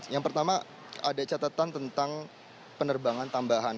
yang pertama ada catatan tentang penerbangan tambahan